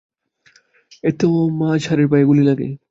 এতে মাজহারের পায়ে গুলি লাগে।